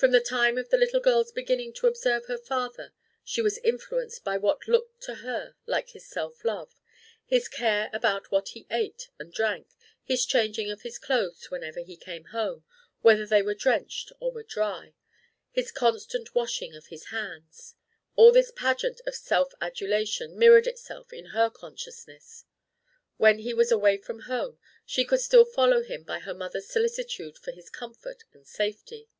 From the time of the little girl's beginning to observe her father she was influenced by what looked to her like his self love: his care about what he ate and drank; his changing of his clothes whenever he came home, whether they were drenched or were dry; his constant washing of his hands; all this pageant of self adulation mirrored itself in her consciousness. When he was away from home, she could still follow him by her mother's solicitude for his comfort and safety.